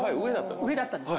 上だったんですよ。